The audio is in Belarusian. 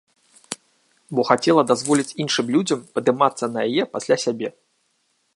Бо хацела дазволіць іншым людзям падымацца на яе пасля сябе.